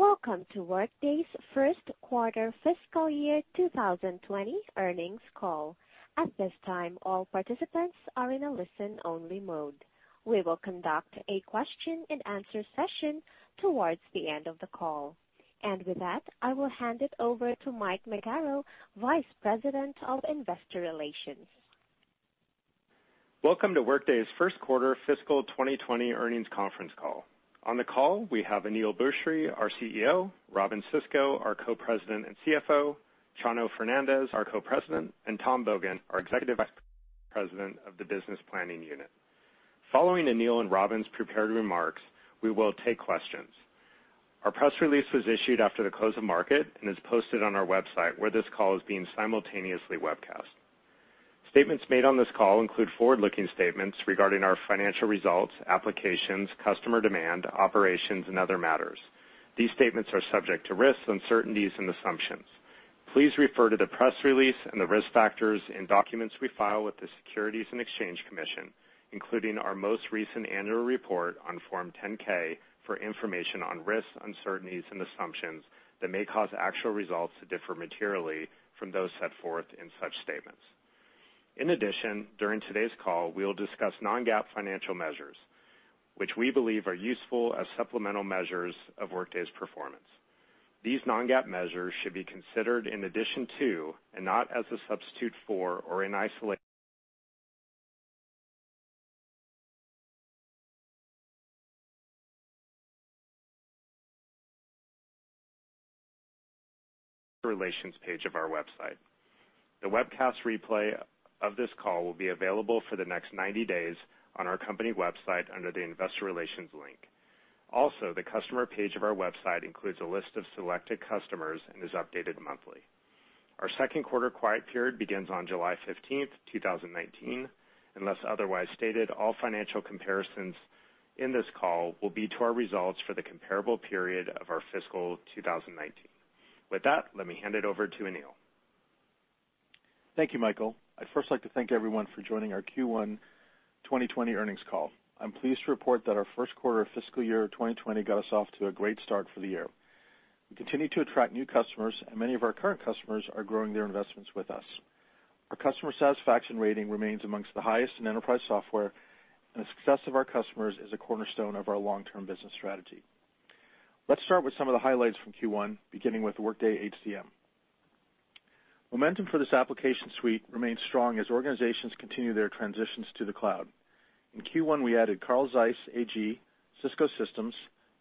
Welcome to Workday's first quarter fiscal year 2020 earnings call. At this time, all participants are in a listen-only mode. We will conduct a question and answer session towards the end of the call. With that, I will hand it over to Mike McCarrell, Vice President of Investor Relations. Welcome to Workday's first quarter fiscal 2020 earnings conference call. On the call, we have Aneel Bhusri, our CEO, Robynne Sisco, our Co-President and CFO, Chano Fernandez, our Co-President, and Tom Bogan, our Executive Vice President of the Business Planning Unit. Following Aneel and Robynne's prepared remarks, we will take questions. Our press release was issued after the close of market and is posted on our website, where this call is being simultaneously webcast. Statements made on this call include forward-looking statements regarding our financial results, applications, customer demand, operations, and other matters. These statements are subject to risks, uncertainties, and assumptions. Please refer to the press release and the risk factors in documents we file with the Securities and Exchange Commission, including our most recent annual report on Form 10-K, for information on risks, uncertainties, and assumptions that may cause actual results to differ materially from those set forth in such statements. In addition, during today's call, we will discuss non-GAAP financial measures, which we believe are useful as supplemental measures of Workday's performance. These non-GAAP measures should be considered in addition to and not as a substitute for or in isolation. Relations page of our website. The webcast replay of this call will be available for the next 90 days on our company website under the Investor Relations link. Also, the customer page of our website includes a list of selected customers and is updated monthly. Our second quarter quiet period begins on July 15th, 2019. Unless otherwise stated, all financial comparisons in this call will be to our results for the comparable period of our fiscal 2019. With that, let me hand it over to Aneel. Thank you, Michael. I'd first like to thank everyone for joining our Q1 2020 earnings call. I'm pleased to report that our first quarter of fiscal year 2020 got us off to a great start for the year. We continue to attract new customers, and many of our current customers are growing their investments with us. Our customer satisfaction rating remains amongst the highest in enterprise software, and the success of our customers is a cornerstone of our long-term business strategy. Let's start with some of the highlights from Q1, beginning with Workday HCM. Momentum for this application suite remains strong as organizations continue their transitions to the cloud. In Q1, we added Carl Zeiss AG, Cisco Systems,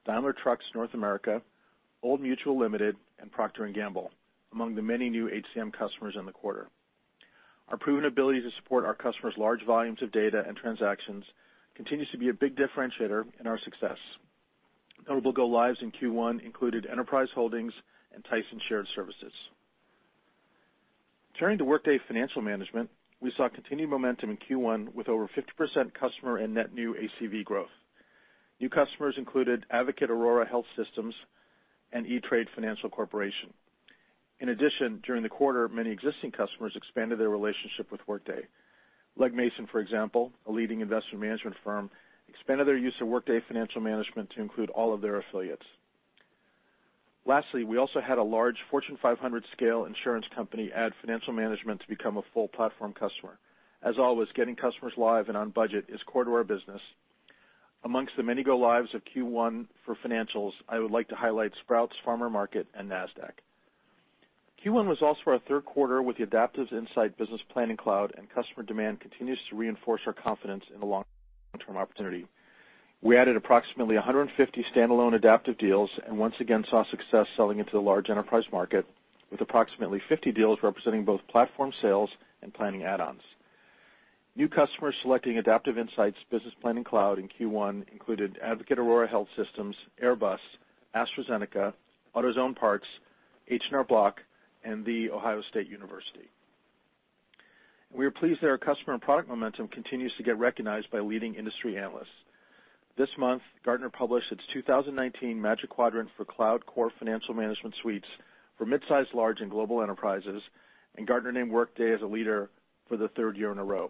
Daimler Truck North America, Old Mutual Limited, and Procter & Gamble, among the many new HCM customers in the quarter. Our proven ability to support our customers' large volumes of data and transactions continues to be a big differentiator in our success. Notable go-lives in Q1 included Enterprise Holdings and Tyson Shared Services. Turning to Workday Financial Management, we saw continued momentum in Q1 with over 50% customer and net new ACV growth. New customers included Advocate Aurora Health and E*TRADE Financial Corporation. During the quarter, many existing customers expanded their relationship with Workday. Legg Mason, for example, a leading investment management firm, expanded their use of Workday Financial Management to include all of their affiliates. We also had a large Fortune 500-scale insurance company add financial management to become a full platform customer. As always, getting customers live and on budget is core to our business. Amongst the many go-lives of Q1 for financials, I would like to highlight Sprouts Farmers Market and Nasdaq. Q1 was also our third quarter with the Adaptive Insights Business Planning Cloud, and customer demand continues to reinforce our confidence in the long-term opportunity. We added approximately 150 standalone Adaptive deals and once again saw success selling into the large enterprise market with approximately 50 deals representing both platform sales and planning add-ons. New customers selecting Adaptive Insights Business Planning Cloud in Q1 included Advocate Aurora Health, Airbus, AstraZeneca, AutoZone, H&R Block, and The Ohio State University. We are pleased that our customer and product momentum continues to get recognized by leading industry analysts. This month, Gartner published its 2019 Magic Quadrant for Cloud Core Financial Management Suites for Midsize, Large, and Global Enterprises, Gartner named Workday as a leader for the third year in a row.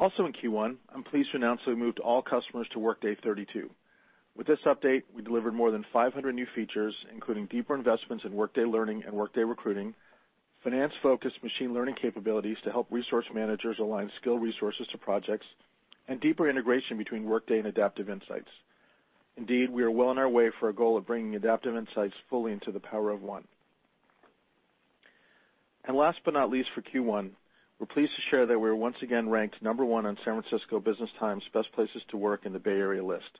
In Q1, I'm pleased to announce that we moved all customers to Workday 32. With this update, we delivered more than 500 new features, including deeper investments in Workday Learning and Workday Recruiting, finance-focused machine learning capabilities to help resource managers align skill resources to projects, and deeper integration between Workday and Adaptive Insights. We are well on our way for our goal of bringing Adaptive Insights fully into the Power of One. Last but not least, for Q1, we're pleased to share that we're once again ranked number one on San Francisco Business Times' Best Places to Work in the Bay Area list.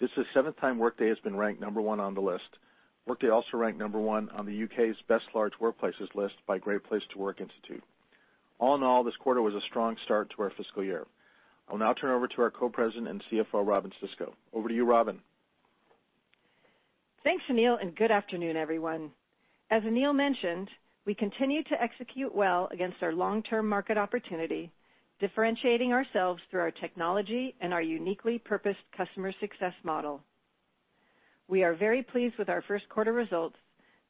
This is the seventh time Workday has been ranked number one on the list. Workday also ranked number one on the U.K.'s Best Large Workplaces list by Great Place to Work Institute. This quarter was a strong start to our fiscal year. I'll now turn over to our co-president and CFO, Robynne Sisco. Over to you, Robynne. Thanks, Aneel. Good afternoon, everyone. As Aneel mentioned, we continue to execute well against our long-term market opportunity, differentiating ourselves through our technology and our uniquely purposed customer success model. We are very pleased with our first quarter results,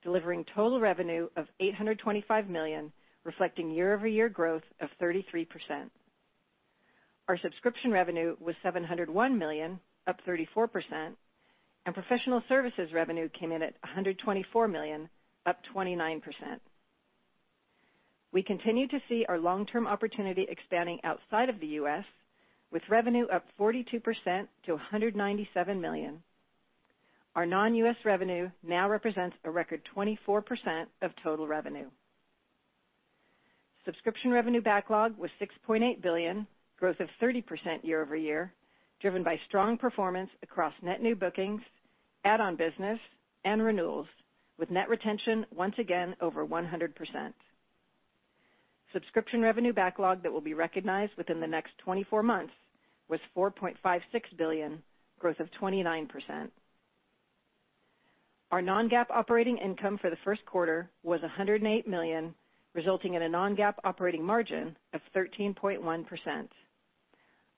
delivering total revenue of $825 million, reflecting year-over-year growth of 33%. Our subscription revenue was $701 million, up 34%. Professional services revenue came in at $124 million, up 29%. We continue to see our long-term opportunity expanding outside of the U.S., with revenue up 42% to $197 million. Our non-U.S. revenue now represents a record 24% of total revenue. Subscription revenue backlog was $6.8 billion, growth of 30% year-over-year, driven by strong performance across net new bookings, add-on business, and renewals, with net retention once again over 100%. Subscription revenue backlog that will be recognized within the next 24 months was $4.56 billion, growth of 29%. Our non-GAAP operating income for the first quarter was $108 million, resulting in a non-GAAP operating margin of 13.1%.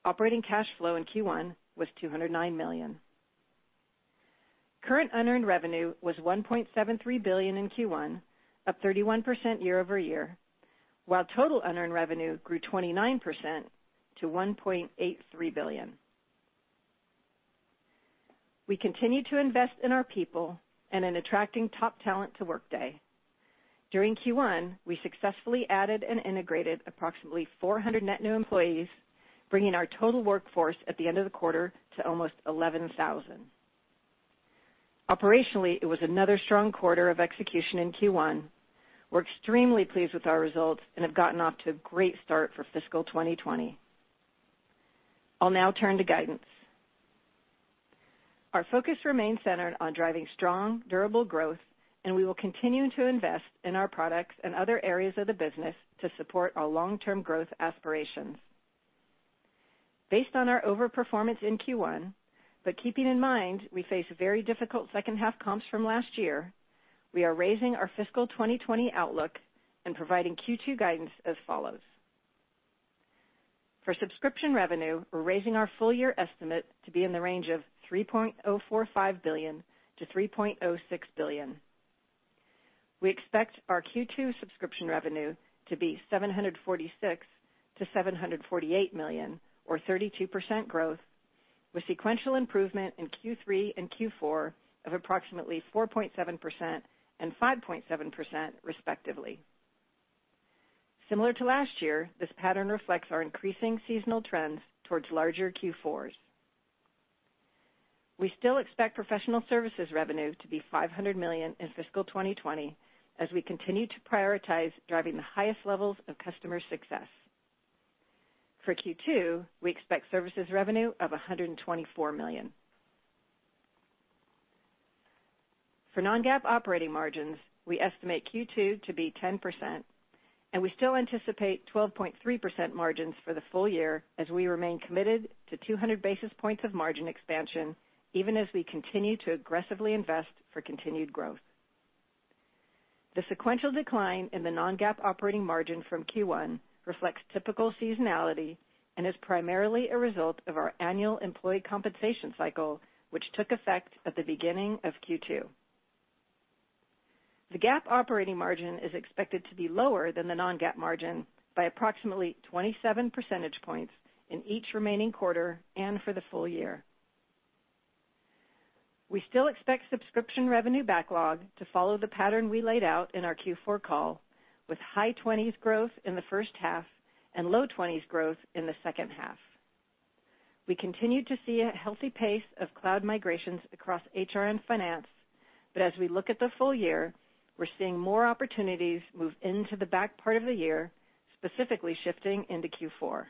Operating cash flow in Q1 was $209 million. Current unearned revenue was $1.73 billion in Q1, up 31% year-over-year, while total unearned revenue grew 29% to $1.83 billion. We continue to invest in our people and in attracting top talent to Workday. During Q1, we successfully added and integrated approximately 400 net new employees, bringing our total workforce at the end of the quarter to almost 11,000. Operationally, it was another strong quarter of execution in Q1. We're extremely pleased with our results and have gotten off to a great start for fiscal 2020. I'll now turn to guidance. Our focus remains centered on driving strong, durable growth. We will continue to invest in our products and other areas of the business to support our long-term growth aspirations. Based on our over-performance in Q1, keeping in mind we face very difficult second half comps from last year, we are raising our fiscal 2020 outlook and providing Q2 guidance as follows. For subscription revenue, we're raising our full year estimate to be in the range of $3.045 billion-$3.06 billion. We expect our Q2 subscription revenue to be $746 million-$748 million, or 32% growth, with sequential improvement in Q3 and Q4 of approximately 4.7% and 5.7% respectively. Similar to last year, this pattern reflects our increasing seasonal trends towards larger Q4s. We still expect professional services revenue to be $500 million in fiscal 2020 as we continue to prioritize driving the highest levels of customer success. For Q2, we expect services revenue of $124 million. For non-GAAP operating margins, we estimate Q2 to be 10%, and we still anticipate 12.3% margins for the full year as we remain committed to 200 basis points of margin expansion, even as we continue to aggressively invest for continued growth. The sequential decline in the non-GAAP operating margin from Q1 reflects typical seasonality and is primarily a result of our annual employee compensation cycle, which took effect at the beginning of Q2. The GAAP operating margin is expected to be lower than the non-GAAP margin by approximately 27 percentage points in each remaining quarter and for the full year. We still expect subscription revenue backlog to follow the pattern we laid out in our Q4 call, with high 20s growth in the first half and low 20s growth in the second half. We continue to see a healthy pace of cloud migrations across HR and finance, but as we look at the full year, we're seeing more opportunities move into the back part of the year, specifically shifting into Q4.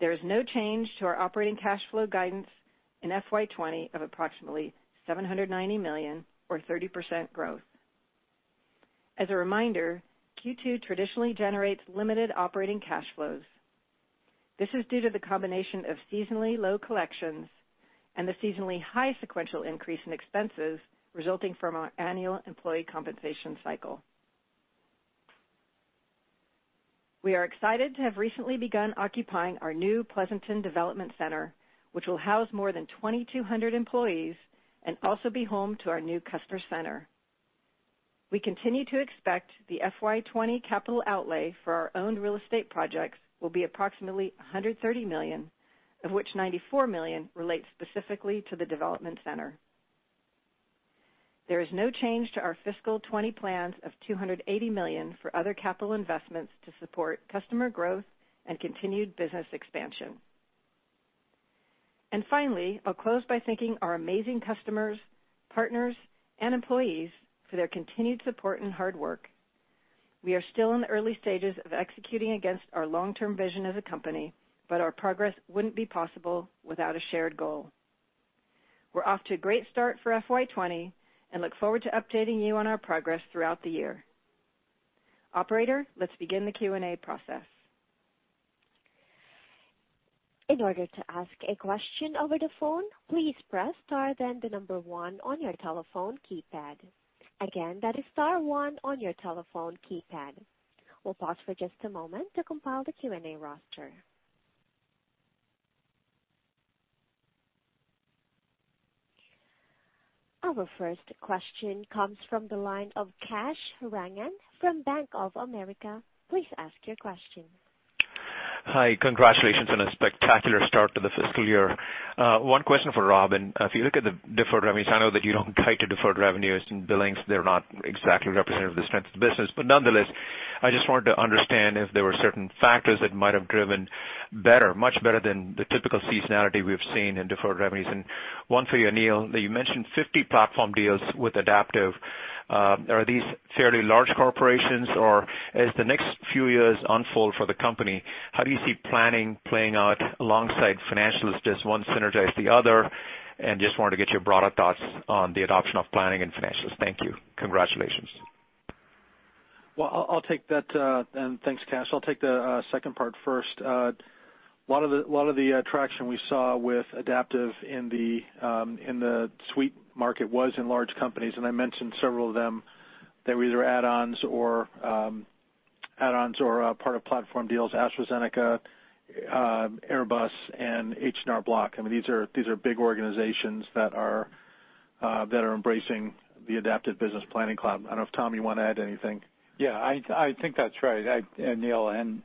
There is no change to our operating cash flow guidance in FY 2020 of approximately $790 million, or 30% growth. As a reminder, Q2 traditionally generates limited operating cash flows. This is due to the combination of seasonally low collections and the seasonally high sequential increase in expenses resulting from our annual employee compensation cycle. We are excited to have recently begun occupying our new Pleasanton Development Center, which will house more than 2,200 employees and also be home to our new customer center. We continue to expect the FY 2020 capital outlay for our owned real estate projects will be approximately $130 million, of which $94 million relates specifically to the Development Center. There is no change to our fiscal 2020 plans of $280 million for other capital investments to support customer growth and continued business expansion. Finally, I'll close by thanking our amazing customers, partners, and employees for their continued support and hard work. We are still in the early stages of executing against our long-term vision as a company. Our progress wouldn't be possible without a shared goal. We're off to a great start for FY 2020 and look forward to updating you on our progress throughout the year. Operator, let's begin the Q&A process. In order to ask a question over the phone, please press star, then the number 1 on your telephone keypad. Again, that is star 1 on your telephone keypad. We'll pause for just a moment to compile the Q&A roster. Our first question comes from the line of Kash Rangan from Bank of America. Please ask your question. Hi. Congratulations on a spectacular start to the fiscal year. One question for Robynne. If you look at the deferred revenues, I know that you don't guide to deferred revenues and billings, they're not exactly representative of the strength of the business. Nonetheless, I just wanted to understand if there were certain factors that might have driven much better than the typical seasonality we've seen in deferred revenues. One for you, Aneel, that you mentioned 50 platform deals with Adaptive. Are these fairly large corporations, or as the next few years unfold for the company, how do you see planning playing out alongside financials? Does one synergize the other, and just wanted to get your broader thoughts on the adoption of planning and financials. Thank you. Congratulations. I'll take that, and thanks, Kash. I'll take the second part first. A lot of the traction we saw with Adaptive in the suite market was in large companies. I mentioned several of them. They were either add-ons or part of platform deals, AstraZeneca, Airbus, and H&R Block. These are big organizations that are embracing the Adaptive Insights Business Planning Cloud. I don't know if, Tom, you want to add anything. I think that's right, Aneel.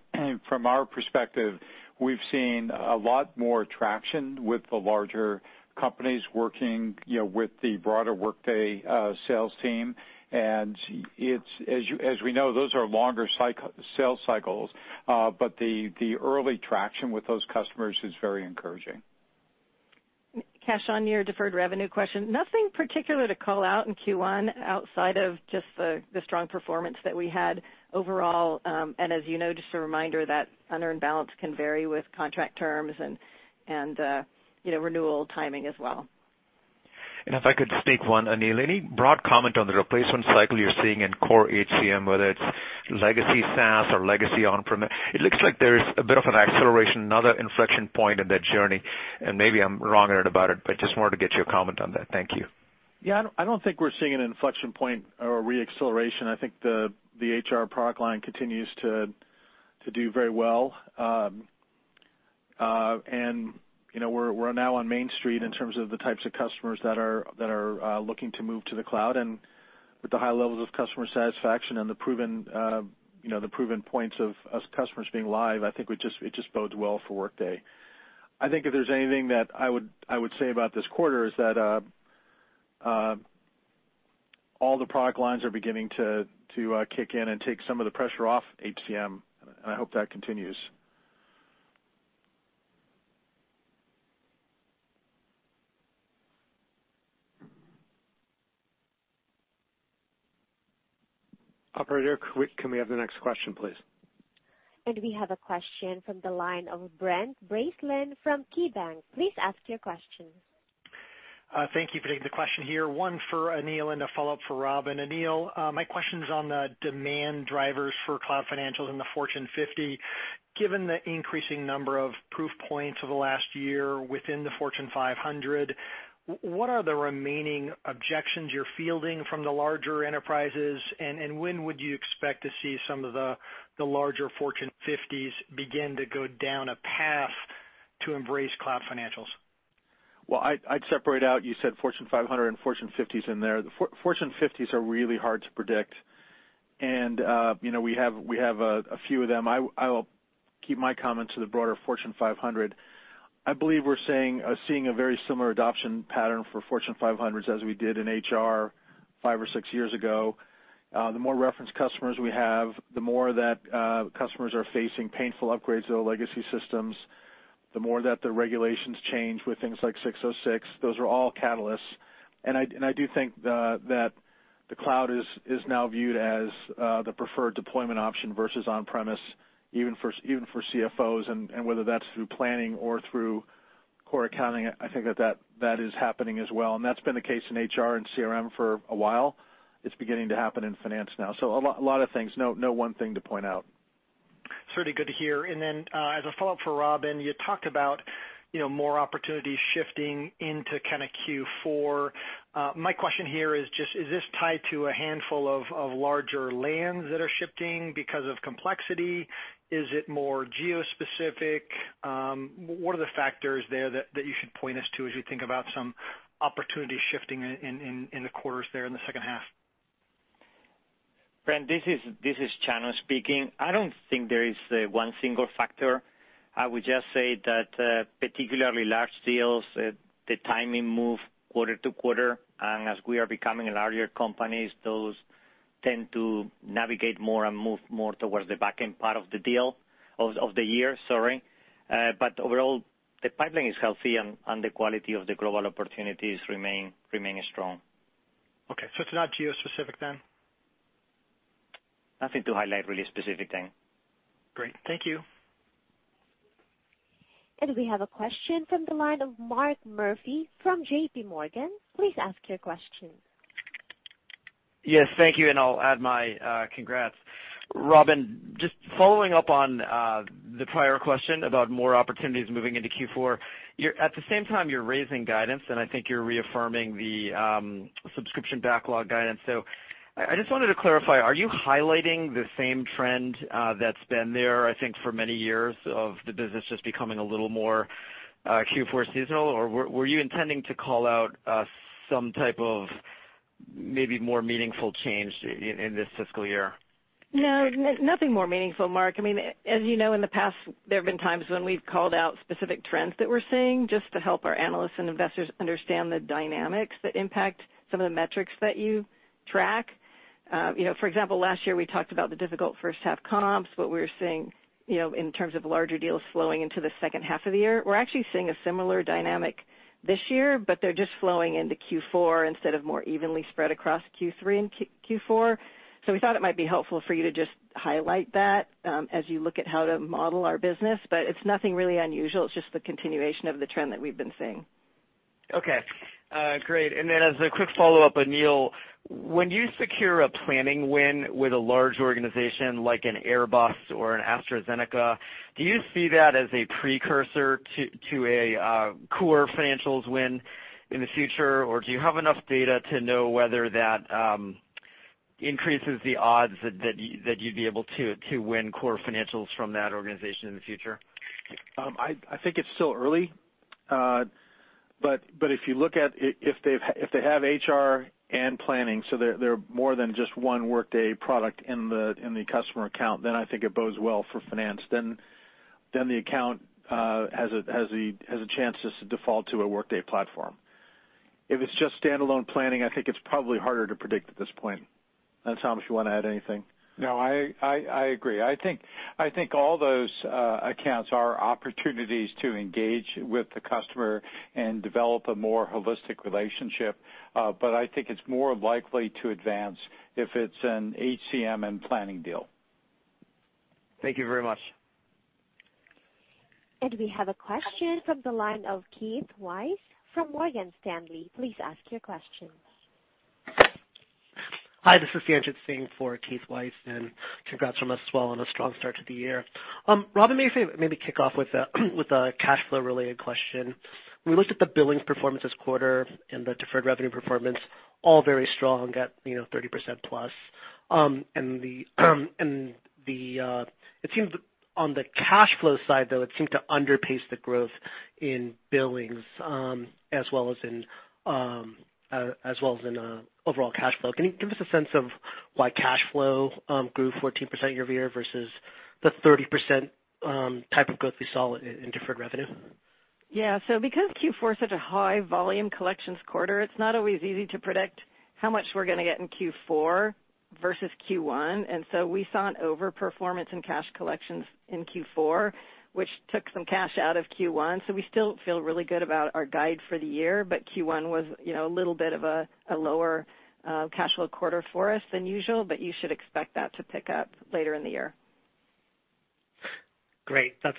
From our perspective, we've seen a lot more traction with the larger companies working with the broader Workday sales team. As we know, those are longer sales cycles. The early traction with those customers is very encouraging. Kash, on your deferred revenue question, nothing particular to call out in Q1 outside of just the strong performance that we had overall. As you know, just a reminder that unearned balance can vary with contract terms and renewal timing as well. If I could just take one, Aneel, any broad comment on the replacement cycle you're seeing in core HCM, whether it's legacy SaaS or legacy on-premise? It looks like there is a bit of an acceleration, another inflection point in that journey, and maybe I'm wrong about it, but just wanted to get your comment on that. Thank you. Yeah, I don't think we're seeing an inflection point or re-acceleration. I think the HR product line continues to do very well. We're now on Main Street in terms of the types of customers that are looking to move to the cloud, and with the high levels of customer satisfaction and the proven points of customers being live, I think it just bodes well for Workday. I think if there's anything that I would say about this quarter is that all the product lines are beginning to kick in and take some of the pressure off HCM, and I hope that continues. Operator, can we have the next question, please? We have a question from the line of Brent Bracelin from KeyBanc. Please ask your question. Thank you for taking the question here. One for Aneel and a follow-up for Robynne. Aneel, my question's on the demand drivers for cloud financials in the Fortune 50. Given the increasing number of proof points over the last year within the Fortune 500, what are the remaining objections you're fielding from the larger enterprises, and when would you expect to see some of the larger Fortune 50s begin to go down a path to embrace cloud financials? Well, I'd separate out, you said Fortune 500 and Fortune 50s in there. The Fortune 50s are really hard to predict. We have a few of them. I will keep my comments to the broader Fortune 500. I believe we're seeing a very similar adoption pattern for Fortune 500s as we did in HR five or six years ago. The more reference customers we have, the more that customers are facing painful upgrades to their legacy systems, the more that the regulations change with things like 606. Those are all catalysts. I do think that the cloud is now viewed as the preferred deployment option versus on-premise, even for CFOs, and whether that's through planning or through core accounting, I think that is happening as well, and that's been the case in HR and CRM for a while. It's beginning to happen in finance now. A lot of things, no one thing to point out. It's really good to hear. As a follow-up for Robynne, you talked about more opportunities shifting into Q4. My question here is just, is this tied to a handful of larger lands that are shifting because of complexity? Is it more geo-specific? What are the factors there that you should point us to as we think about some opportunities shifting in the quarters there in the second half? Brent, this is Chano speaking. I don't think there is one single factor. I would just say that particularly large deals, the timing move quarter to quarter. As we are becoming a larger company, those tend to navigate more and move more towards the back-end part of the year, sorry. Overall, the pipeline is healthy and the quality of the global opportunities remain strong. Okay, it's not geo-specific then? Nothing to highlight really specific then. Great. Thank you. We have a question from the line of Mark Murphy from JPMorgan. Please ask your question. Yes, thank you, and I'll add my congrats. Robynne, just following up on the prior question about more opportunities moving into Q4. At the same time, you're raising guidance, and I think you're reaffirming the subscription backlog guidance. I just wanted to clarify, are you highlighting the same trend that's been there, I think, for many years of the business just becoming a little more Q4 seasonal, or were you intending to call out some type of maybe more meaningful change in this fiscal year? No, nothing more meaningful, Mark. As you know, in the past, there have been times when we've called out specific trends that we're seeing just to help our analysts and investors understand the dynamics that impact some of the metrics that you track. For example, last year, we talked about the difficult first half comps, what we were seeing in terms of larger deals flowing into the second half of the year. We're actually seeing a similar dynamic this year, but they're just flowing into Q4 instead of more evenly spread across Q3 and Q4. We thought it might be helpful for you to just highlight that as you look at how to model our business. It's nothing really unusual. It's just the continuation of the trend that we've been seeing. Okay. Great. Then as a quick follow-up, Aneel, when you secure a Planning win with a large organization like an Airbus or an AstraZeneca, do you see that as a precursor to a core financials win in the future? Or do you have enough data to know whether that increases the odds that you'd be able to win core financials from that organization in the future? I think it's still early. If you look at if they have HR and Planning, so they're more than just one Workday product in the customer account, then I think it bodes well for finance. Then the account has a chance just to default to a Workday platform. If it's just standalone Planning, I think it's probably harder to predict at this point. Tom, if you want to add anything. No, I agree. I think all those accounts are opportunities to engage with the customer and develop a more holistic relationship. I think it's more likely to advance if it's an HCM and Planning deal. Thank you very much. We have a question from the line of Keith Weiss from Morgan Stanley. Please ask your question. Hi, this is Sanjit Singh for Keith Weiss, congrats from us as well on a strong start to the year. Robynne, maybe kick off with a cash flow related question. We looked at the billings performance this quarter and the deferred revenue performance, all very strong at 30%+. On the cash flow side, though, it seemed to underpace the growth in billings as well as in overall cash flow. Can you give us a sense of why cash flow grew 14% year-over-year versus the 30% type of growth we saw in deferred revenue? Yeah. Because Q4 is such a high volume collections quarter, it's not always easy to predict how much we're going to get in Q4 versus Q1. We saw an over-performance in cash collections in Q4, which took some cash out of Q1. We still feel really good about our guide for the year, but Q1 was a little bit of a lower cash flow quarter for us than usual, but you should expect that to pick up later in the year. Great. That's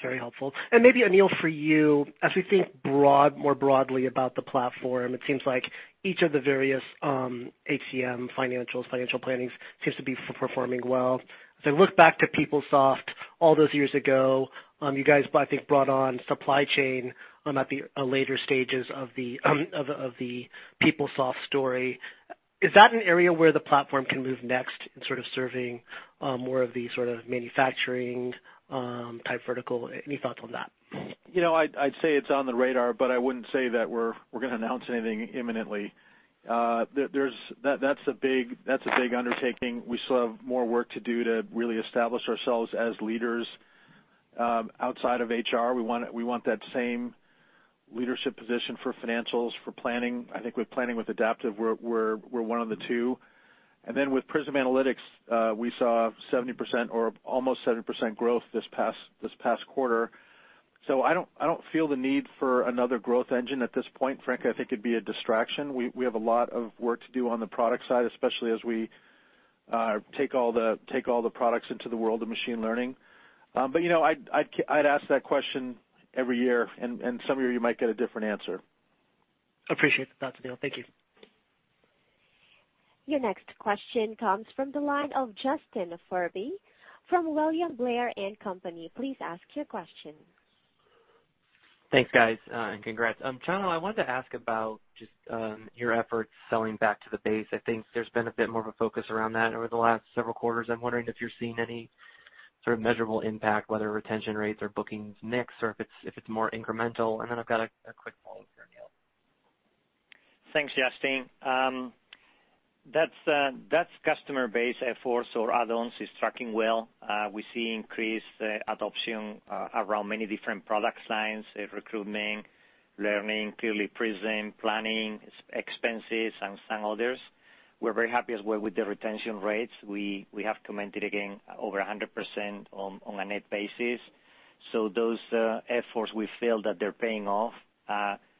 very helpful. Maybe, Aneel, for you, as we think more broadly about the platform, it seems like each of the various HCM financials, financial plannings seems to be performing well. As I look back to PeopleSoft all those years ago, you guys, I think, brought on supply chain at the later stages of the PeopleSoft story. Is that an area where the platform can move next in sort of serving more of the manufacturing type vertical? Any thoughts on that? I'd say it's on the radar, but I wouldn't say that we're going to announce anything imminently. That's a big undertaking. We still have more work to do to really establish ourselves as leaders outside of HR. We want that same leadership position for financials, for Planning. I think with Planning, with Adaptive, we're one of the two. With Prism Analytics, we saw almost 70% growth this past quarter. I don't feel the need for another growth engine at this point. Frankly, I think it'd be a distraction. We have a lot of work to do on the product side, especially as we take all the products into the world of machine learning. I'd ask that question every year, and some year you might get a different answer. Appreciate that, Aneel. Thank you. Your next question comes from the line of Justin Furby from William Blair & Company. Please ask your question. Thanks, guys, congrats. Chano, I wanted to ask about just your efforts selling back to the base. I think there's been a bit more of a focus around that over the last several quarters. I'm wondering if you're seeing any sort of measurable impact, whether retention rates or bookings mix, or if it's more incremental. I've got a quick follow-up for Aneel. Thanks, Justin. That customer base efforts or add-ons is tracking well. We see increased adoption around many different product lines, Recruiting, Learning, clearly Prism, Planning, expenses, and some others. We're very happy as well with the retention rates. We have commented again over 100% on a net basis. Those efforts, we feel that they're paying off.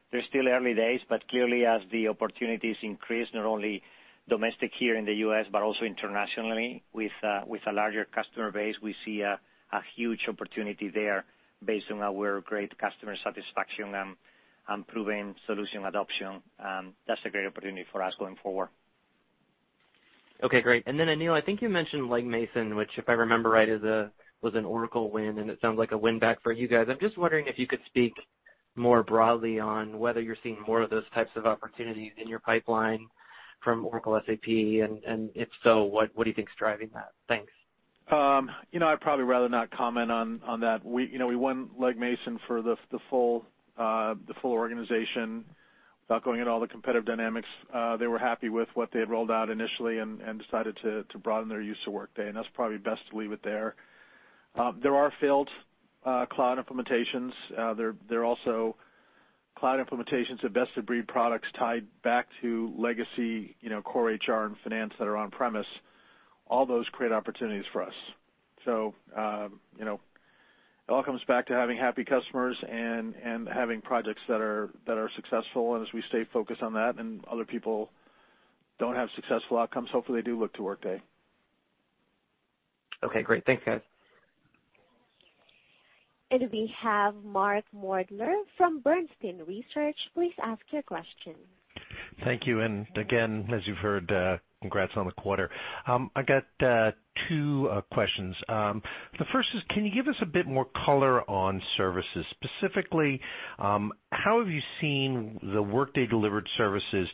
They're still early days, but clearly as the opportunities increase, not only domestic here in the U.S., but also internationally with a larger customer base, we see a huge opportunity there based on our great customer satisfaction and proven solution adoption. That's a great opportunity for us going forward. Okay, great. Aneel, I think you mentioned Legg Mason, which, if I remember right, was an Oracle win, and it sounds like a win-back for you guys. I'm just wondering if you could speak More broadly on whether you're seeing more of those types of opportunities in your pipeline from Oracle, SAP, and if so, what do you think is driving that? Thanks. I'd probably rather not comment on that. We won Legg Mason for the full organization. Without going into all the competitive dynamics, they were happy with what they had rolled out initially and decided to broaden their use of Workday, and that's probably best to leave it there. There are failed cloud implementations. There are also cloud implementations of best-of-breed products tied back to legacy core HR and finance that are on-premise. All those create opportunities for us. It all comes back to having happy customers and having projects that are successful. As we stay focused on that and other people don't have successful outcomes, hopefully they do look to Workday. Okay, great. Thanks, guys. We have Mark Moerdler from Bernstein Research. Please ask your question. Thank you. Again, as you've heard, congrats on the quarter. I got two questions. The first is, can you give us a bit more color on services? Specifically, how have you seen the Workday-delivered services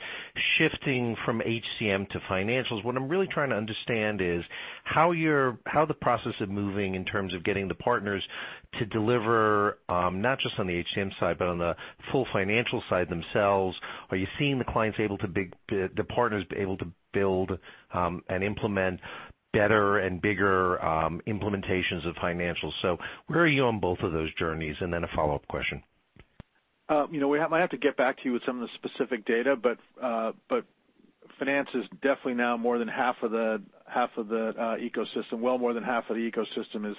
shifting from HCM to Financials? What I'm really trying to understand is how the process of moving in terms of getting the partners to deliver, not just on the HCM side, but on the full Financials side themselves. Are you seeing the partners able to build and implement better and bigger implementations of Financials? Where are you on both of those journeys? Then a follow-up question. I might have to get back to you with some of the specific data. Finance is definitely now more than half of the ecosystem, well more than half of the ecosystem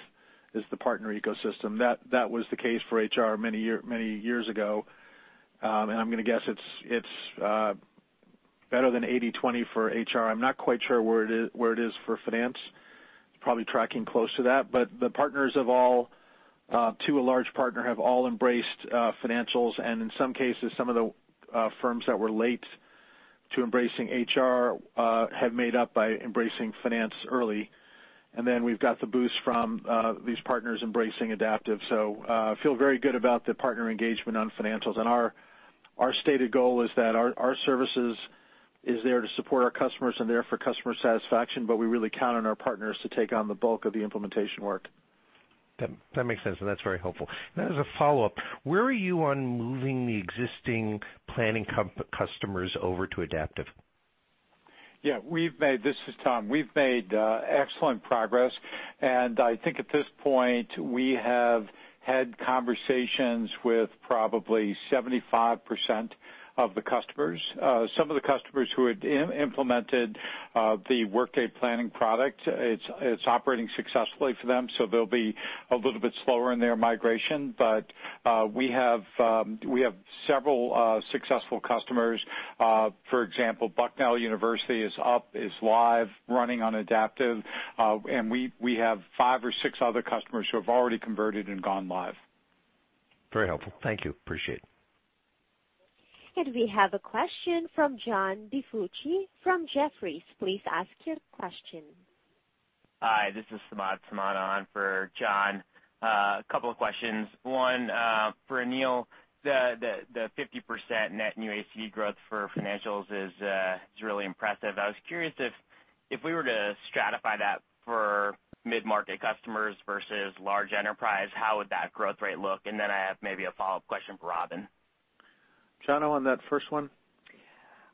is the partner ecosystem. That was the case for HR many years ago. I'm going to guess it's better than 80/20 for HR. I'm not quite sure where it is for finance. It's probably tracking close to that. The partners, to a large extent, have all embraced Financials, and in some cases, some of the firms that were late to embracing HR have made up by embracing finance early. Then we've got the boost from these partners embracing Adaptive. Feel very good about the partner engagement on Financials. Our stated goal is that our services is there to support our customers and there for customer satisfaction, we really count on our partners to take on the bulk of the implementation work. That makes sense, and that's very helpful. As a follow-up, where are you on moving the existing planning customers over to Adaptive? Yeah. This is Tom. We've made excellent progress, and I think at this point, we have had conversations with probably 75% of the customers. Some of the customers who had implemented the Workday planning product, it's operating successfully for them, so they'll be a little bit slower in their migration. We have several successful customers. For example, Bucknell University is up, is live, running on Adaptive. We have five or six other customers who have already converted and gone live. Very helpful. Thank you. Appreciate it. We have a question from John DiFucci from Jefferies. Please ask your question. Hi, this is Samad. Samad on for John. A couple of questions. One, for Aneel, the 50% net new ACV growth for financials is really impressive. I was curious if we were to stratify that for mid-market customers versus large enterprise, how would that growth rate look? Then I have maybe a follow-up question for Robynne. John, on that first one?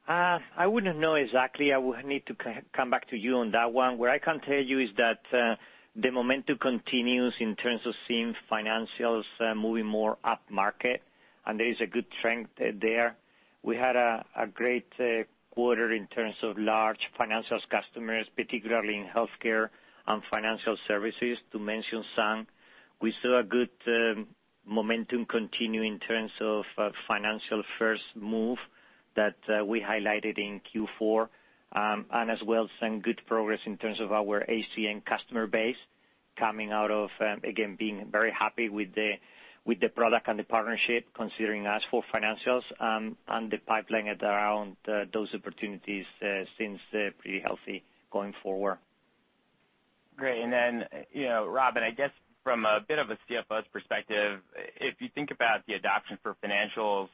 I wouldn't know exactly. I would need to come back to you on that one. What I can tell you is that the momentum continues in terms of seeing financials moving more upmarket, and there is a good trend there. We had a great quarter in terms of large financials customers, particularly in healthcare and financial services, to mention some. We saw a good momentum continue in terms of financial first move that we highlighted in Q4, and as well some good progress in terms of our HCM customer base coming out of, again, being very happy with the product and the partnership, considering us for financials. The pipeline around those opportunities seems pretty healthy going forward. Great. Robynne, I guess from a bit of a CFO's perspective, if you think about the adoption for financials,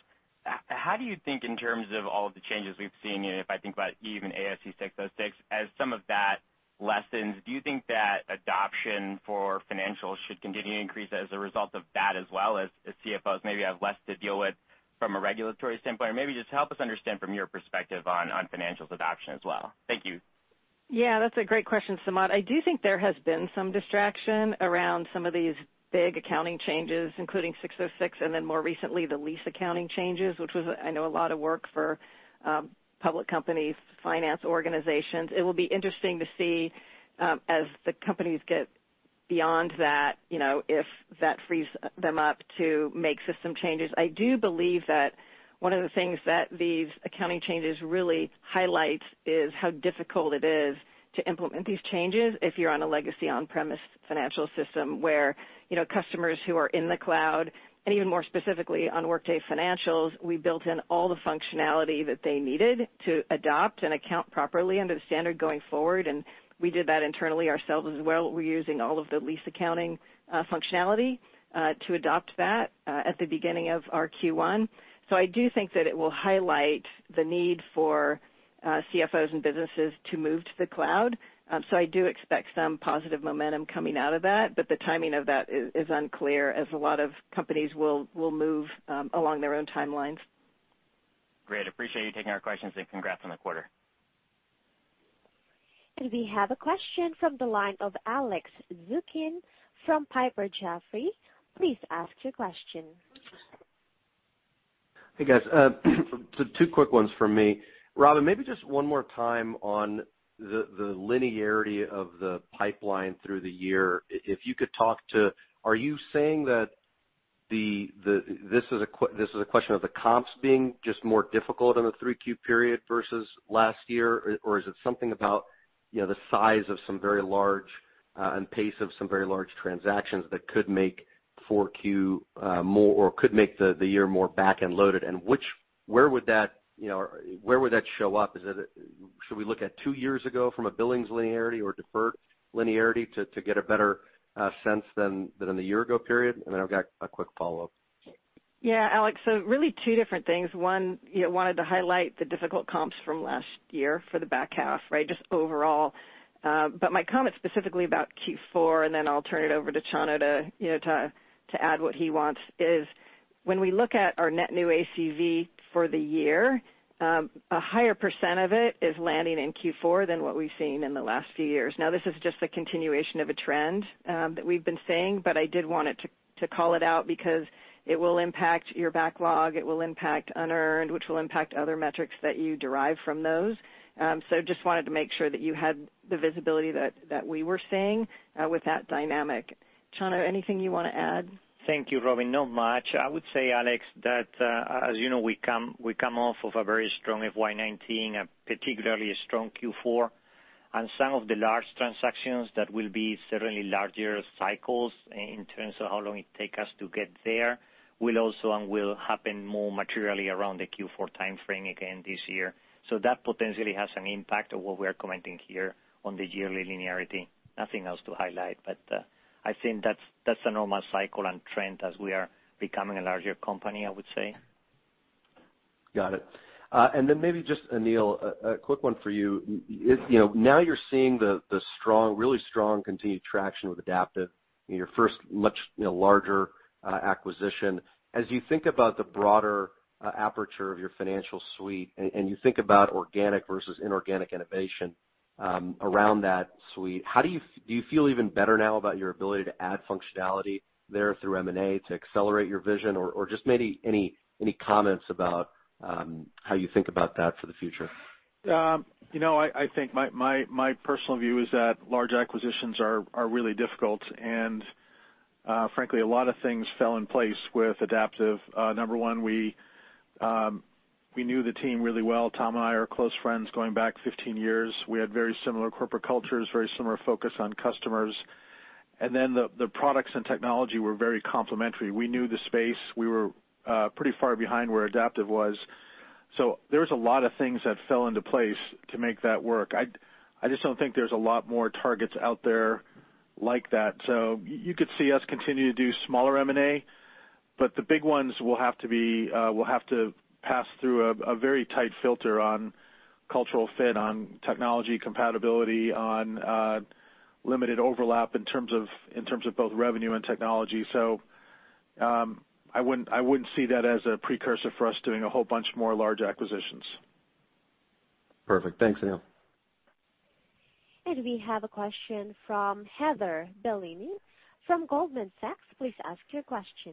how do you think in terms of all of the changes we've seen, if I think about even ASC 606, as some of that lessens, do you think that adoption for financials should continue to increase as a result of that as well as, CFOs maybe have less to deal with from a regulatory standpoint, or maybe just help us understand from your perspective on financials adoption as well. Thank you. Yeah, that's a great question, Samad. I do think there has been some distraction around some of these big accounting changes, including 606, and then more recently, the lease accounting changes, which was, I know, a lot of work for public companies, finance organizations. It will be interesting to see as the companies get beyond that, if that frees them up to make system changes. I do believe that one of the things that these accounting changes really highlight is how difficult it is to implement these changes if you're on a legacy on-premise financial system where customers who are in the cloud, and even more specifically on Workday financials, we built in all the functionality that they needed to adopt and account properly under the standard going forward, and we did that internally ourselves as well. We're using all of the lease accounting functionality to adopt that at the beginning of our Q1. I do think that it will highlight the need for CFOs and businesses to move to the cloud. I do expect some positive momentum coming out of that, but the timing of that is unclear, as a lot of companies will move along their own timelines. Great. Appreciate you taking our questions, congrats on the quarter. We have a question from the line of Alex Zukin from Piper Jaffray. Please ask your question. Hey, guys. Two quick ones from me. Robynne, maybe just one more time on the linearity of the pipeline through the year. If you could talk to, are you saying that this is a question of the comps being just more difficult in the 3Q period versus last year? Or is it something about the size of some very large, and pace of some very large transactions that could make 4Q more, or could make the year more backend loaded? Where would that show up? Should we look at 2 years ago from a billings linearity or deferred linearity to get a better sense than in the year ago period? I've got a quick follow-up. Yeah, Alex. Really 2 different things. I wanted to highlight the difficult comps from last year for the back half, just overall. My comment specifically about Q4, and then I'll turn it over to Chano to add what he wants, is when we look at our net new ACV for the year, a higher percent of it is landing in Q4 than what we've seen in the last few years. This is just a continuation of a trend that we've been saying, but I did want to call it out because it will impact your backlog, it will impact unearned, which will impact other metrics that you derive from those. Just wanted to make sure that you had the visibility that we were seeing with that dynamic. Chano, anything you want to add? Thank you, Robynne. Not much. I would say, Alex, that as you know, we come off of a very strong FY 2019, a particularly strong Q4. Some of the large transactions that will be certainly larger cycles in terms of how long it take us to get there, will also and will happen more materially around the Q4 timeframe again this year. That potentially has an impact on what we are commenting here on the yearly linearity. Nothing else to highlight, but I think that's a normal cycle and trend as we are becoming a larger company, I would say. Got it. Maybe just Aneel, a quick one for you. Now you're seeing the really strong continued traction with Adaptive in your first much larger acquisition. As you think about the broader aperture of your financial suite and you think about organic versus inorganic innovation around that suite, do you feel even better now about your ability to add functionality there through M&A to accelerate your vision? Or just maybe any comments about how you think about that for the future? I think my personal view is that large acquisitions are really difficult, frankly, a lot of things fell in place with Adaptive. Number 1, we knew the team really well. Tom and I are close friends going back 15 years. We had very similar corporate cultures, very similar focus on customers. The products and technology were very complimentary. We knew the space. We were pretty far behind where Adaptive was. There was a lot of things that fell into place to make that work. I just don't think there's a lot more targets out there like that. You could see us continue to do smaller M&A, but the big ones will have to pass through a very tight filter on cultural fit, on technology compatibility, on limited overlap in terms of both revenue and technology. I wouldn't see that as a precursor for us doing a whole bunch more large acquisitions. Perfect. Thanks, Aneel. We have a question from Heather Bellini from Goldman Sachs. Please ask your question.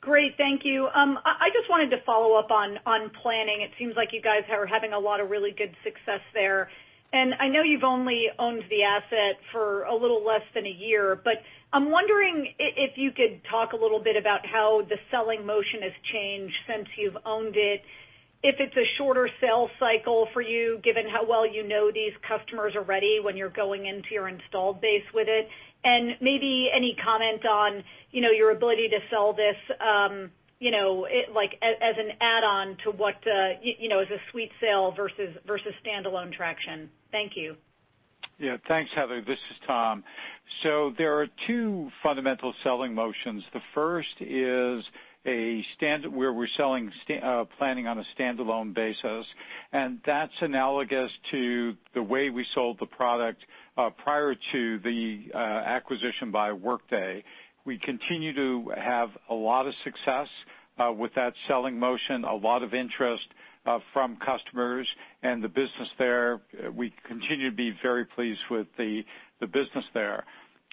Great. Thank you. I just wanted to follow up on planning. It seems like you guys are having a lot of really good success there. I know you've only owned the asset for a little less than a year, but I'm wondering if you could talk a little bit about how the selling motion has changed since you've owned it. If it's a shorter sales cycle for you, given how well you know these customers already when you're going into your installed base with it. Maybe any comment on your ability to sell this, as an add-on to what, as a suite sale versus standalone traction. Thank you. Yeah. Thanks, Heather. This is Tom. There are two fundamental selling motions. The first is where we're selling planning on a standalone basis, and that's analogous to the way we sold the product prior to the acquisition by Workday. We continue to have a lot of success with that selling motion, a lot of interest from customers and the business there. We continue to be very pleased with the business there.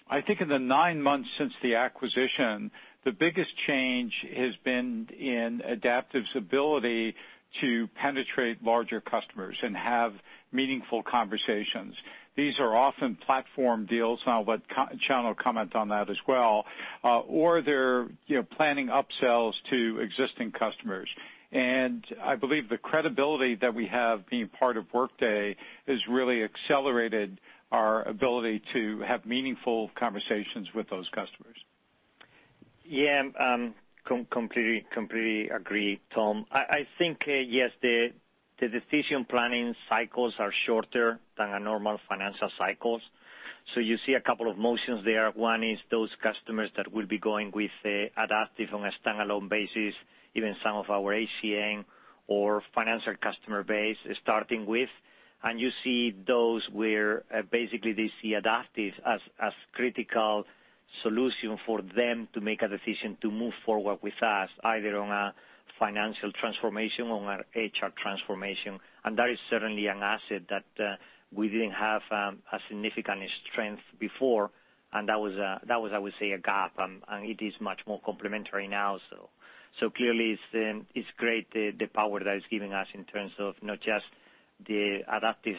I think in the nine months since the acquisition, the biggest change has been in Adaptive's ability to penetrate larger customers and have meaningful conversations. These are often platform deals, Chano will comment on that as well, or they're planning upsells to existing customers. I believe the credibility that we have being part of Workday has really accelerated our ability to have meaningful conversations with those customers. Yeah. Completely agree, Tom. I think, yes, the decision planning cycles are shorter than our normal financial cycles. You see a couple of motions there. One is those customers that will be going with Adaptive on a standalone basis, even some of our HCM or financial customer base starting with. You see those where basically they see Adaptive as critical solution for them to make a decision to move forward with us, either on a financial transformation or an HR transformation. That is certainly an asset that we didn't have a significant strength before, and that was, I would say, a gap. It is much more complementary now. Clearly, it's great, the power that it's giving us in terms of not just the Adaptive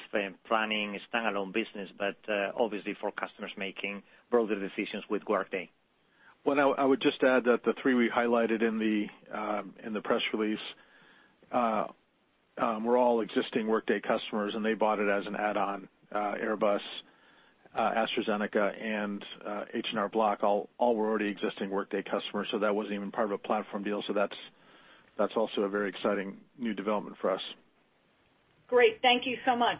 planning standalone business, but obviously for customers making broader decisions with Workday. Well, I would just add that the three we highlighted in the press release were all existing Workday customers, and they bought it as an add-on. Airbus, AstraZeneca, and H&R Block all were already existing Workday customers, so that wasn't even part of a platform deal. That's also a very exciting new development for us. Great. Thank you so much.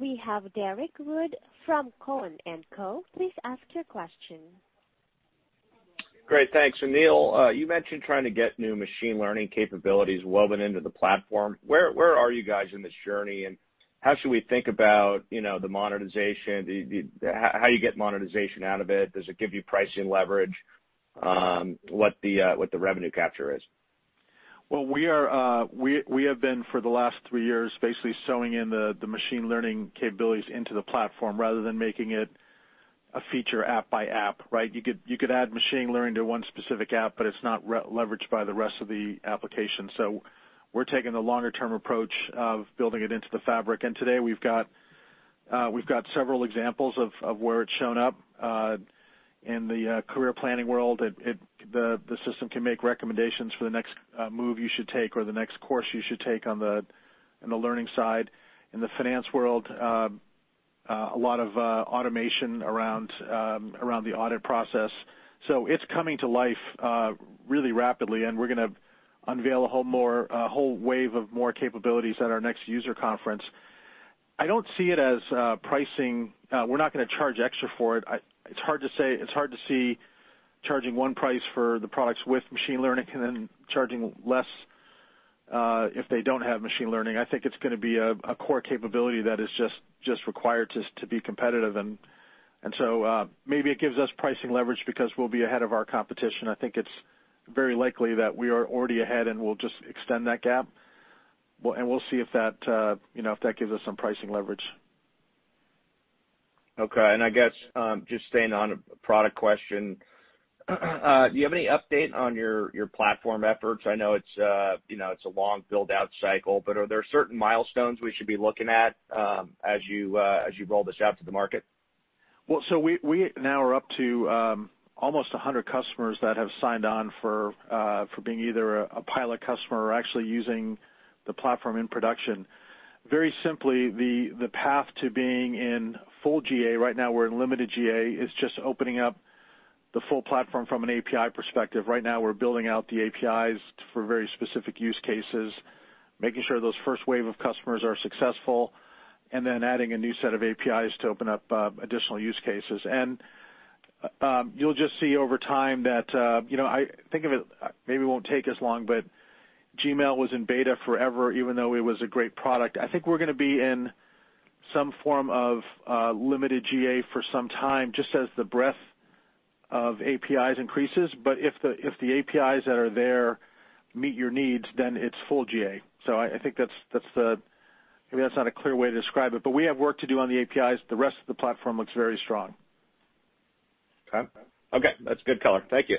We have Derrick Wood from Cowen and Company. Please ask your question. Great. Thanks. Aneel, you mentioned trying to get new machine learning capabilities woven into the platform. Where are you guys in this journey, and how should we think about the monetization? How do you get monetization out of it? Does it give you pricing leverage? What the revenue capture is. We have been for the last three years, basically sewing in the machine learning capabilities into the platform rather than making it a feature app by app, right? You could add machine learning to one specific app, but it's not leveraged by the rest of the application. We're taking the longer-term approach of building it into the fabric. Today we've got several examples of where it's shown up. In the career planning world, the system can make recommendations for the next move you should take or the next course you should take on the learning side. In the finance world, a lot of automation around the audit process. It's coming to life really rapidly, and we're going to unveil a whole wave of more capabilities at our next user conference. I don't see it as pricing. We're not going to charge extra for it. It's hard to see charging one price for the products with machine learning, and then charging less if they don't have machine learning. I think it's going to be a core capability that is just required to be competitive. Maybe it gives us pricing leverage because we'll be ahead of our competition. I think it's very likely that we are already ahead, and we'll just extend that gap. We'll see if that gives us some pricing leverage. Okay. I guess, just staying on a product question, do you have any update on your platform efforts? I know it's a long build-out cycle, but are there certain milestones we should be looking at as you roll this out to the market? We now are up to almost 100 customers that have signed on for being either a pilot customer or actually using the platform in production. Very simply, the path to being in full GA, right now we're in limited GA, is just opening up the full platform from an API perspective. Right now, we're building out the APIs for very specific use cases, making sure those first wave of customers are successful, then adding a new set of APIs to open up additional use cases. You'll just see over time that, think of it, maybe it won't take as long, but Gmail was in beta forever, even though it was a great product. I think we're going to be in some form of limited GA for some time, just as the breadth of APIs increases. If the APIs that are there meet your needs, then it's full GA. I think maybe that's not a clear way to describe it, but we have work to do on the APIs. The rest of the platform looks very strong. Okay. That's good color. Thank you.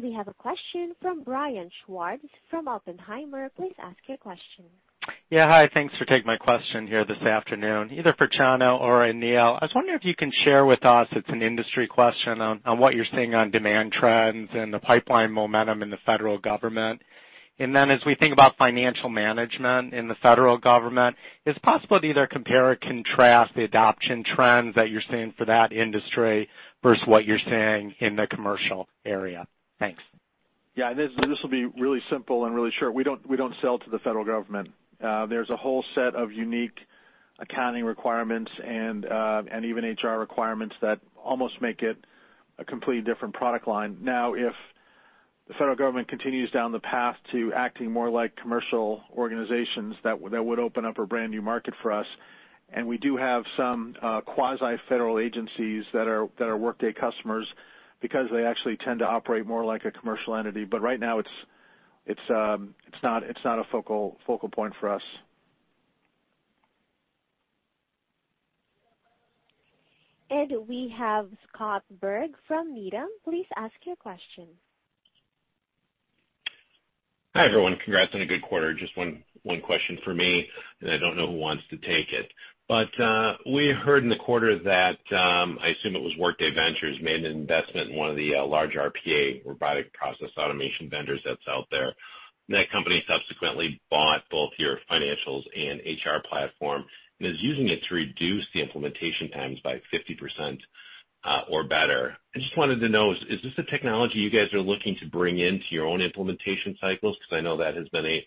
We have a question from Brian Schwartz from Oppenheimer. Please ask your question. Hi, thanks for taking my question here this afternoon. Either for Chano or Aneel, I was wondering if you can share with us, it's an industry question, on what you're seeing on demand trends and the pipeline momentum in the federal government. Then as we think about financial management in the federal government, it's possible to either compare or contrast the adoption trends that you're seeing for that industry versus what you're seeing in the commercial area. Thanks. this will be really simple and really short. We don't sell to the federal government. There's a whole set of unique accounting requirements and even HR requirements that almost make it a completely different product line. If the federal government continues down the path to acting more like commercial organizations, that would open up a brand-new market for us, and we do have some quasi-federal agencies that are Workday customers because they actually tend to operate more like a commercial entity. Right now, it's not a focal point for us. We have Scott Berg from Needham. Please ask your question. Hi, everyone. Congrats on a good quarter. Just one question for me, and I don't know who wants to take it. We heard in the quarter that, I assume it was Workday Ventures, made an investment in one of the large RPA, robotic process automation, vendors that's out there. That company subsequently bought both your financials and HR platform and is using it to reduce the implementation times by 50% or better. I just wanted to know, is this the technology you guys are looking to bring into your own implementation cycles? Because I know that has been a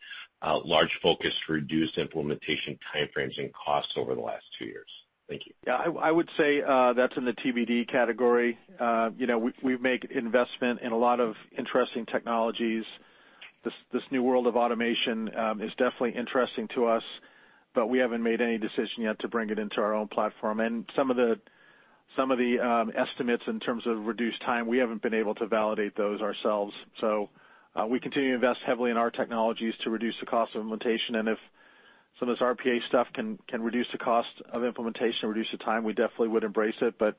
large focus to reduce implementation time frames and costs over the last two years. Thank you. I would say that's in the TBD category. We make investment in a lot of interesting technologies. This new world of automation is definitely interesting to us, but we haven't made any decision yet to bring it into our own platform. Some of the estimates in terms of reduced time, we haven't been able to validate those ourselves. We continue to invest heavily in our technologies to reduce the cost of implementation, and if some of this RPA stuff can reduce the cost of implementation, reduce the time, we definitely would embrace it, but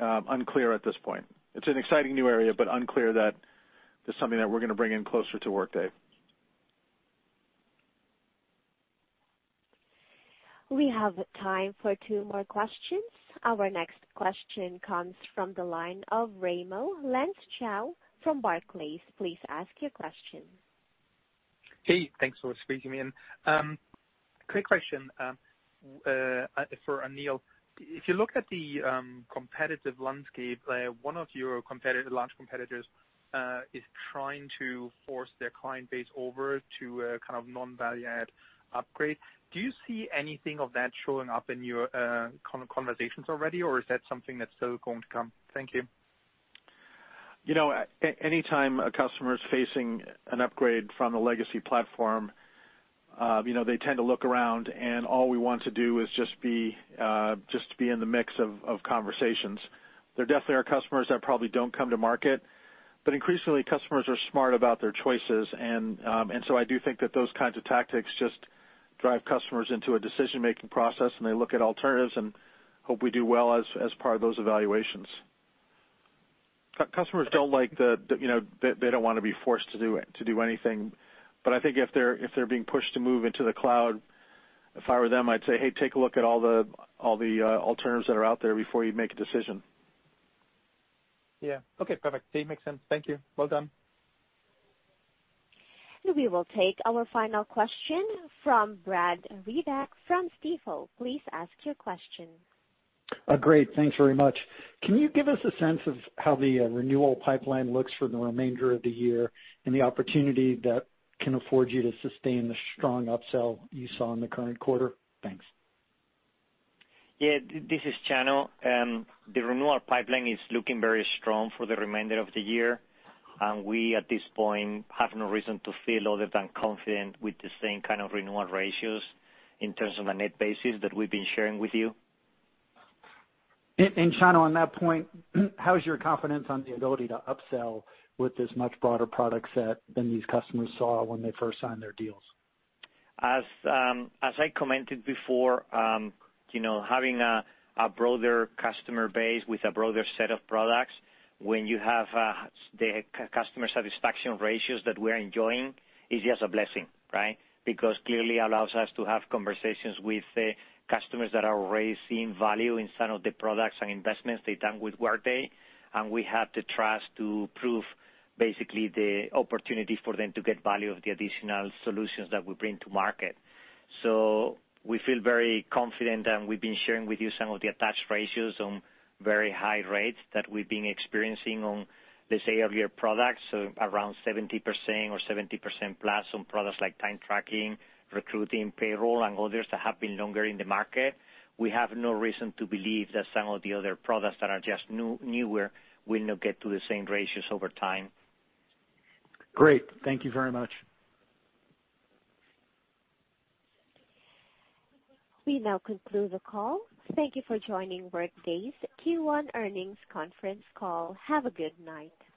unclear at this point. It's an exciting new area, but unclear that it's something that we're going to bring in closer to Workday. We have time for two more questions. Our next question comes from the line of Raimo Lenschow from Barclays. Please ask your question. Hey, thanks for squeezing me in. Quick question for Aneel. If you look at the competitive landscape, one of your large competitors is trying to force their client base over to a kind of non-value add upgrade. Do you see anything of that showing up in your conversations already, or is that something that's still going to come? Thank you. Anytime a customer is facing an upgrade from a legacy platform, they tend to look around. All we want to do is just be in the mix of conversations. There definitely are customers that probably don't come to market, increasingly, customers are smart about their choices. I do think that those kinds of tactics just drive customers into a decision-making process, and they look at alternatives and hope we do well as part of those evaluations. Customers don't like the-- they don't want to be forced to do anything. I think if they're being pushed to move into the cloud, if I were them, I'd say, "Hey, take a look at all the alternatives that are out there before you make a decision. Yeah. Okay, perfect. Makes sense. Thank you. Well done. We will take our final question from Brad Reback from Stifel. Please ask your question. Great. Thanks very much. Can you give us a sense of how the renewal pipeline looks for the remainder of the year and the opportunity that can afford you to sustain the strong upsell you saw in the current quarter? Thanks. Yeah. This is Chano. The renewal pipeline is looking very strong for the remainder of the year. We, at this point, have no reason to feel other than confident with the same kind of renewal ratios in terms of a net basis that we've been sharing with you. Chano, on that point, how's your confidence on the ability to upsell with this much broader product set than these customers saw when they first signed their deals? As I commented before, having a broader customer base with a broader set of products, when you have the customer satisfaction ratios that we're enjoying is just a blessing, right? Clearly allows us to have conversations with customers that are already seeing value in some of the products and investments they've done with Workday, and we have the trust to prove basically the opportunity for them to get value of the additional solutions that we bring to market. We feel very confident, and we've been sharing with you some of the attached ratios on very high rates that we've been experiencing on, let's say, our products, around 70% or 70%+ on products like time tracking, recruiting, payroll, and others that have been longer in the market. We have no reason to believe that some of the other products that are just newer will not get to the same ratios over time. Great. Thank you very much. We now conclude the call. Thank you for joining Workday's Q1 Earnings Conference Call. Have a good night.